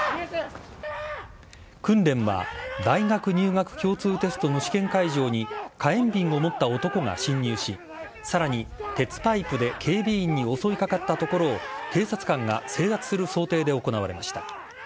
訓練は大学入学共通テストの試験会場に、火炎瓶を持った男が侵入し、さらに、鉄パイプで警備員に襲いかかったところを警察官が制圧する想定で行われました。